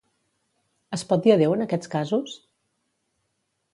Es pot dir adeu en aquests casos?